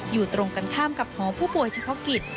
อยู่ตรงกันข้ามกับหอผู้ป่วยเฉพาะกิจ